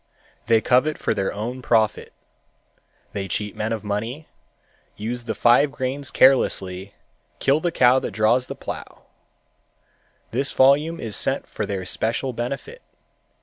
They covet for their own profit. They cheat men of money, use the five grains carelessly, kill the cow that draws the plow. This volume is sent for their special benefit.